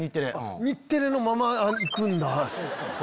日テレのまま行くんだ！